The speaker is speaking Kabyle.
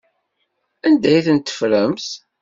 Anda ay ten-teffremt?